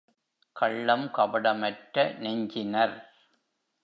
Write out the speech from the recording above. கள்ளம் கபடமற்ற நெஞ்சினர்.